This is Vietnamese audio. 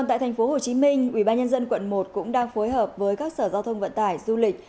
tại tp hcm ubnd quận một cũng đang phối hợp với các sở giao thông vận tải du lịch